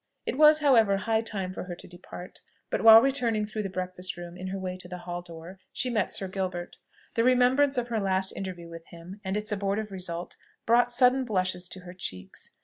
It was now, however, high time for her to depart; but while returning through the breakfast room in her way to the hall door, she met Sir Gilbert. The remembrance of her last interview with him, and its abortive result, brought sudden blushes to her cheeks.